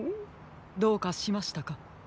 どうかしましたか？